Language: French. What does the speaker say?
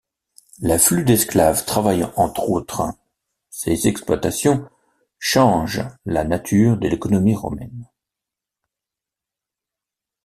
L'afflux d'esclaves travaillant entre autres ces exploitations change la nature de l'économie romaine.